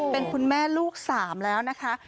เป็นคุณแม่ลูก๓แล้วนะคะ